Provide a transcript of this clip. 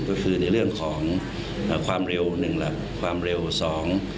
ก็คือในเรื่องของเอ่อความเร็วหนึ่งหลักความเร็วสอง